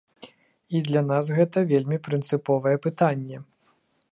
І для нас гэта вельмі прынцыповае пытанне.